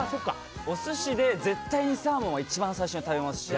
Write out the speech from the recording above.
お寿司で絶対にサーモンは一番最初に食べますし。